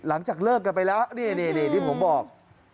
หลังจากเลิกกันไปแล้วนี่ที่ผมบอก